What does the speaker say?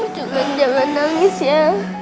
jangan jangan nangis ya